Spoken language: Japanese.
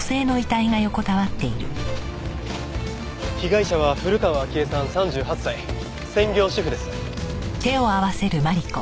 被害者は古河章江さん３８歳専業主婦です。